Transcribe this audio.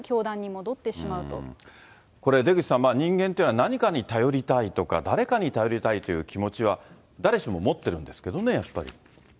それで結局、これ、出口さん、人間というのは何かに頼りたいとか、誰かに頼りたいという気持ちは誰しも持ってるんですけどね、やっぱり。